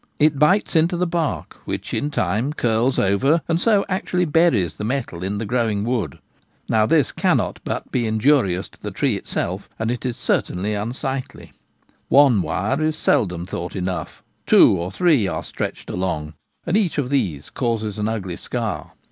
It bites into the bark, which in time curls over and so actually buries the metal in the growing wood. Now this can not but be injurious to the tree itself, and it is certainly unsightly. One wire is seldom thought enough. Two or three are stretched along, and each of these causes an ugly scar.